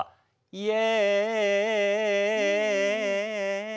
「イエ」。